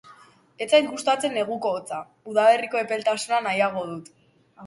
Ez zait gustatzen neguko hotza; udaberriko epeltasuna nahiago dut.